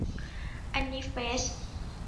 อันนี้เฟซ